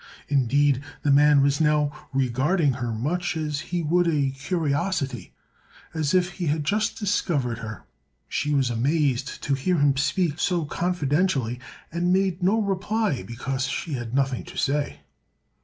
Indeed, the man was now regarding her much as he would a curiosity, as if he had just discovered her. She was amazed to hear him speak so confidentially and made no reply because she had nothing to say.